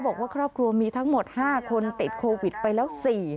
บอกว่าครอบครัวมีทั้งหมด๕คนติดโควิดไปแล้ว๔